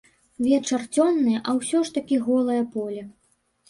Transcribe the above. Вечар цёмны, а ўсё ж такі голае поле.